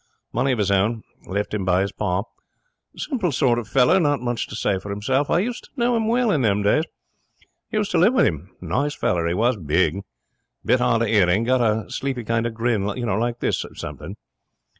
Money of his own. Left him by his pa. Simple sort of feller. Not much to say for himself. I used to know him well in them days. Used to live with him. Nice feller he was. Big. Bit hard of hearing. Got a sleepy kind of grin, like this something.'